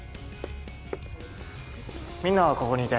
みんなはここにいて。